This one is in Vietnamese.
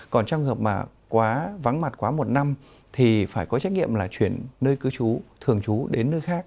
còn trong trường hợp mà vắng mặt quá một năm thì phải có trách nghiệm là chuyển nơi cứ chú thường chú đến nơi khác